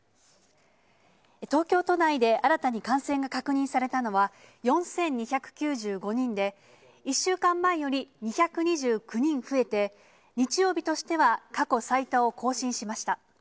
東京都内で新たに感染が確認されたのは、４２９５人で、１週間前より２２９人増えて、日曜日としては過去最多を更新しました。